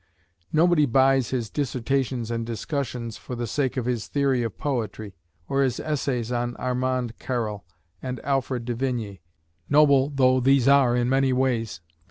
Nobody buys his "Dissertations and Discussions" for the sake of his theory of poetry, or his essays on Armand Carrel and Alfred de Vigny, noble though these are in many ways.